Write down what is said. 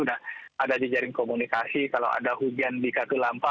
sudah ada jejaring komunikasi kalau ada hujan di katulampa